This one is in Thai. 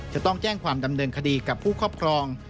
จะต้องแจ้งความดำเนินคดีกับผู้ครอบครอง